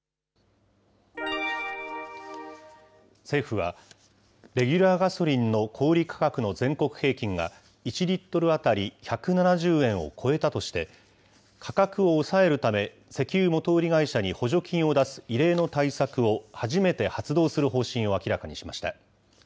政府は、レギュラーガソリンの小売り価格の全国平均が、１リットル当たり１７０円を超えたとして、価格を抑えるため、石油元売り会社に補助金を出す異例の対策を初めて発動する方針を明らかにしました。